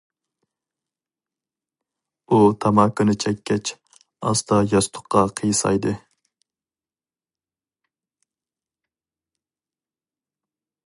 ئۇ تاماكىنى چەككەچ ئاستا ياستۇققا قىيسايدى.